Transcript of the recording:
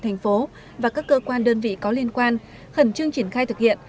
thành phố và các cơ quan đơn vị có liên quan khẩn trương triển khai thực hiện